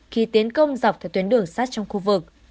khi tiến công dọc theo tuyến đường sát trong khu vực